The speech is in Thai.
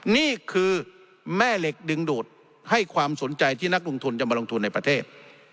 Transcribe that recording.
นี่คือแม่เหล็กดึงดูดให้ความสนใจที่นักลงทุนจะมาลงทุนในประเทศ